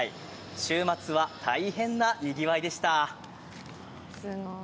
週末は大変なにぎわいでした。